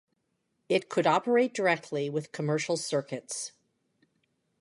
It could operate directly with commercial circuits.